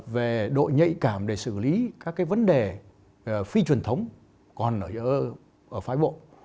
về độ nhạy cảm để xử lý các cái vấn đề phi truyền thống còn ở phái bộ